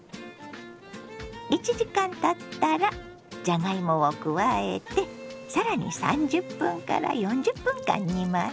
１時間たったらじゃがいもを加えて更に３０分から４０分間煮ます。